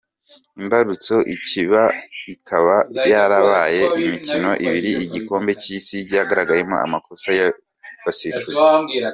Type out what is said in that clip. Imbarutso ikaba ikaba yarabaye imikino ibiri y’igikombe cy’Isi yagaragayemo amakosa y’abasifuzi.